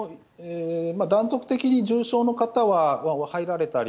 断続的に重症の方は入られたり、